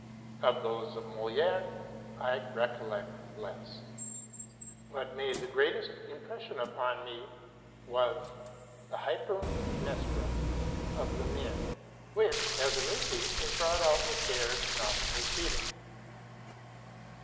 Of those of Moliére I recollect less. What made the greatest impression upon me was '' The Hypermnestra'' of Lemiére, which, as a new piece, was brought out with care and often repeated.